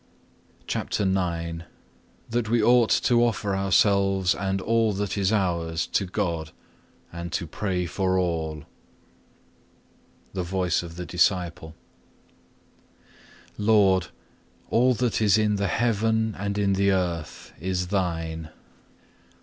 (1) Luke xiv. 33. CHAPTER IX That we ought to offer ourselves and all that is ours to God, and to pray for all The Voice of the Disciple Lord, all that is in the heaven and in the earth is Thine.